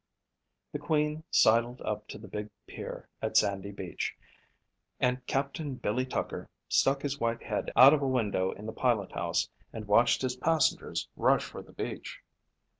The Queen sidled up to the big pier at Sandy Beach and Capt. Billy Tucker stuck his white head out of a window in the pilot house and watched his passengers rush for the beach.